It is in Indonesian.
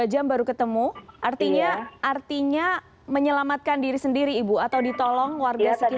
tiga jam baru ketemu artinya menyelamatkan diri sendiri ibu atau ditolong warga sekitar